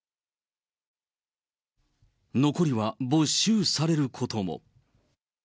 残りは没収されることも。